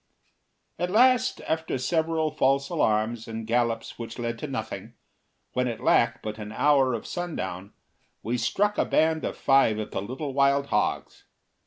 At last, after several false alarms, and gallops which led to nothing, when it lacked but an hour of sundown we struck a band of five of the little wild hogs.